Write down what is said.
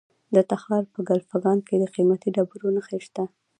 د تخار په کلفګان کې د قیمتي ډبرو نښې دي.